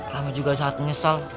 kami juga sangat nyesel